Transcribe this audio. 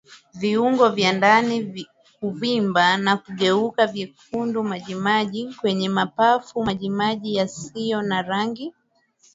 Viungo vya ndani kuvimba na kugeuka vyekundu majimaji kwenye mapafu majimaji yasiyo na rangi